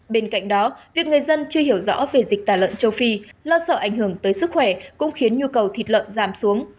bên cạnh đó việc người dân chưa hiểu rõ về dịch tả lợn châu phi lo sợ ảnh hưởng tới sức khỏe cũng khiến nhu cầu thịt lợn giảm xuống